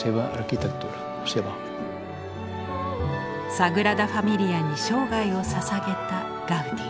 サグラダ・ファミリアに生涯をささげたガウディ。